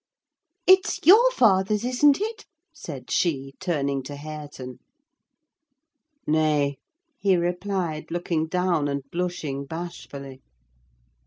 "It's your father's, isn't it?" said she, turning to Hareton. "Nay," he replied, looking down, and blushing bashfully.